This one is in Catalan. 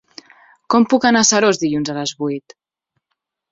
Com puc anar a Seròs dilluns a les vuit?